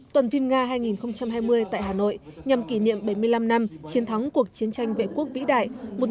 tuần phim nga hai nghìn hai mươi tại hà nội nhằm kỷ niệm bảy mươi năm năm chiến thắng cuộc chiến tranh vệ quốc vĩ đại một nghìn chín trăm bốn mươi năm hai nghìn hai mươi